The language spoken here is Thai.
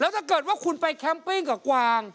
ถ้าเกิดว่าคุณไปแคมปิ้งกับกวาง